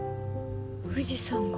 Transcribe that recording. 藤さんが。